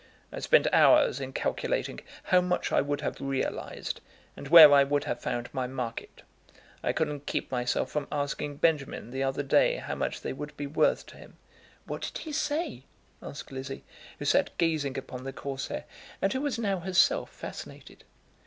I spend hours in calculating how much I would have realised, and where I would have found my market. I couldn't keep myself from asking Benjamin the other day how much they would be worth to him." "What did he say?" asked Lizzie, who sat gazing upon the Corsair, and who was now herself fascinated.